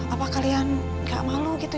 apa kalian gak malu gitu